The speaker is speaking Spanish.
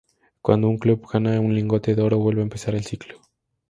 Cuando un club gana el lingote de oro vuelve a empezar el ciclo.